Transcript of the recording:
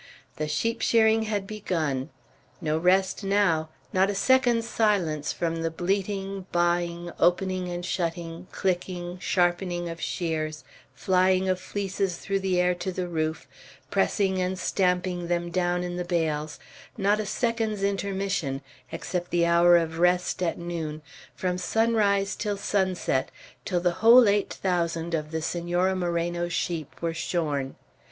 The sheep shearing had begun. No rest now. Not a second's silence from the bleating, baa ing, opening and shutting, clicking, sharpening of shears, flying of fleeces through the air to the roof, pressing and stamping them down in the bales; not a second's intermission, except the hour of rest at noon, from sunrise till sunset, till the whole eight thousand of the Senora Moreno's sheep were shorn.